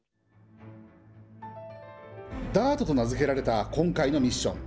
ＤＡＲＴと名付けられた今回のミッション。